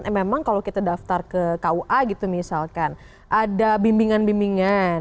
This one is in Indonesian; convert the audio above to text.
memang kalau kita daftar ke kua gitu misalkan ada bimbingan bimbingan